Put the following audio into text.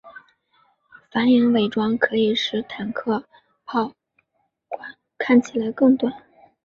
反影伪装可以使坦克炮管看起来更短。